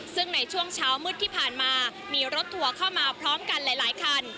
ซึ่งในช่วงเช้ามืดที่ผ่านมามีรถทัวร์เข้ามาพร้อมกันหลายคัน